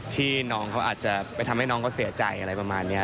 ที่น้องเขาอาจจะไปทำให้น้องเขาเสียใจอะไรประมาณนี้